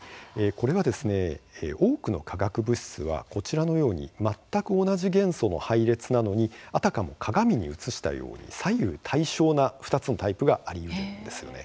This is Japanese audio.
これは多くの化学物質はこちらのように全く同じ元素の配列なのにあたかも鏡に映したように左右対称な２つのタイプがあるんですよね。